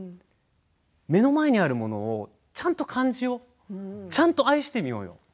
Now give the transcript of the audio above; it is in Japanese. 目の前にあるものをちゃんと感じようちゃんと愛してみようよ